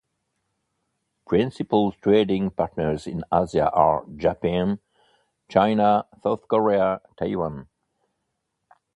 Principal trading partners in Asia are Japan, China, South Korea, Taiwan.